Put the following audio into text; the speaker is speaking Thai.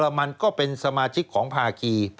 สวัสดีค่ะต้อนรับคุณบุษฎี